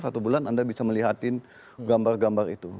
satu bulan anda bisa melihatin gambar gambar itu